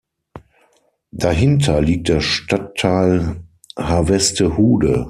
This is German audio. Dahinter liegt der Stadtteil Harvestehude.